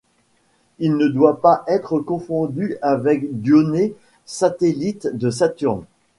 Il ne doit pas être confondu avec Dioné, satellite de Saturne.